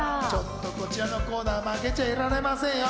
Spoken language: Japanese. こちらのコーナーも負けちゃいられませんよ。